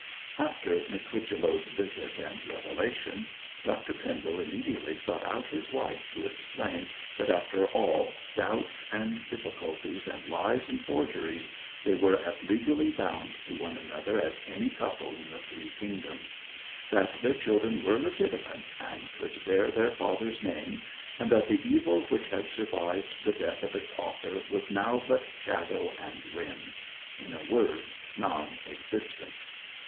After Miss Whichello's visit and revelation, Dr Pendle immediately sought out his wife to explain that after all doubts and difficulties, and lies and forgeries, they were as legally bound to one another as any couple in the three Kingdoms; that their children were legitimate and could bear their father's name, and that the evil which had survived the death of its author was now but shadow and wind in a word, non existent.